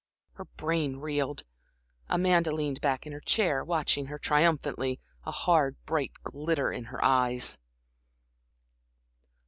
Her brain reeled. Amanda leaned back in her chair, watching her triumphantly, a hard, bright glitter in her eyes.